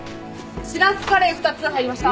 しらすカレー２つ入りました。